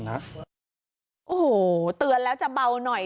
โอ้โหเตือนแล้วจะเบาหน่อย